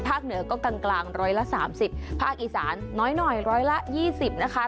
ภาคเหนือก็กลางกลางร้อยละสามสิบภาคอีสานน้อยหน่อยร้อยละยี่สิบนะคะ